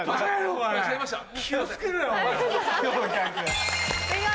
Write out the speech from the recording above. お前気を付けろよお前。